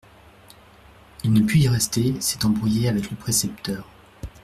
Il ne put y rester, s'étant brouillé avec le précepteur.